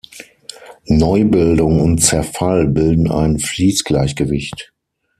Neubildung und Zerfall bilden ein Fließgleichgewicht.